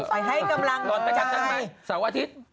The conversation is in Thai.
ให้กำลังกายนอนไปจัดจังมั้ยเสาร์อาทิตย์